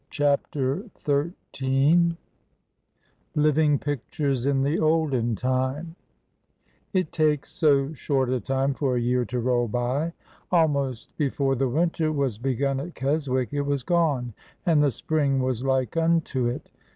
CHAPTER XIII LIVING PICTURES IN THE OLDEN TIME I T takes so short a time for a year to roll by! Almost before the winter was begun at Keswick it was gone, and the spring was like unto it.